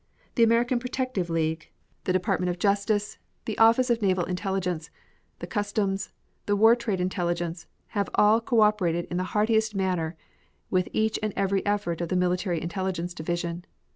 The American Protective League, the Department of Justice, the Office of Naval Intelligence, the Customs, the War Trade Intelligence have all co operated in the heartiest manner with each and every effort of the Military Intelligence Division.